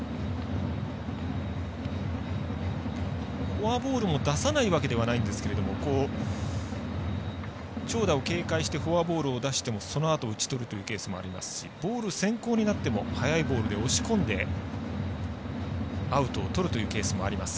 フォアボールも出さないわけではないんですが長打を警戒してフォアボールを出してもそのあと、打ち取るというケースもありますしボール先行になっても速いボールで押し込んでアウトをとるというケースもあります